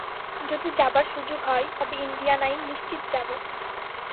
যদি যাবার সুযোগ হয়, তবে ইণ্ডিয়ানায় নিশ্চিত যাব।